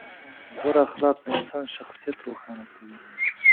غوره اخلاق د انسان شخصیت روښانه کوي.